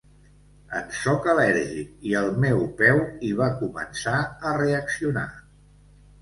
En sóc al·lèrgic i el meu peu hi va començar a reaccionar.